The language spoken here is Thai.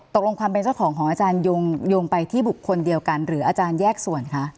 ตกลงความเป็นเจ้าของของอาจารยงไปที่บุคคลเดียวกันหรืออาจารย์แยกส่วนคะ